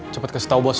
cepet kasih tau bos